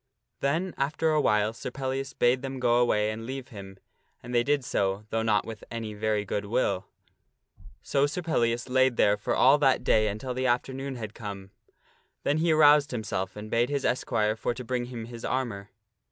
Then after a while Sir Pellias bade them go away and leave him, and they did so, though not with any very good will. So Sir Pellias lay there for all that day until the afternoon had come. Then he aroused himself and bade his esquire for to bring him his armor.